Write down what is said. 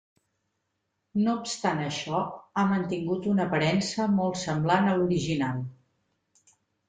No obstant això, ha mantingut una aparença molt semblant a l’original.